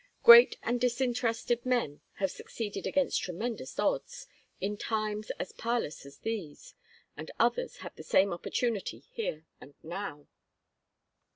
Great and disinterested men have succeeded against tremendous odds in times as parlous as these, and others have the same opportunity here and now."